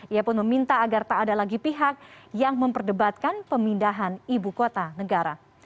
ia pun meminta agar tak ada lagi pihak yang memperdebatkan pemindahan ibu kota negara